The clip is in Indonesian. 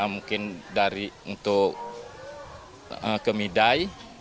mungkin dari untuk ke midai